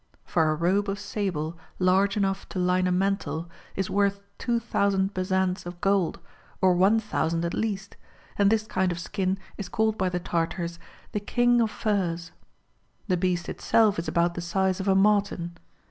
For a robe of sable, large enough to line a mantle, is worth 2000 bezants of gold, or 1000 at least, and this kind of skin is called by the Tartars "The King of Furs." The beast itself is about the size of a marten.